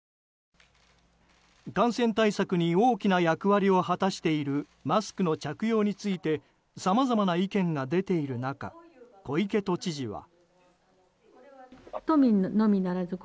感染対策に大きな役割を果たしているマスクの着用についてさまざまな意見が出ている中小池都知事は。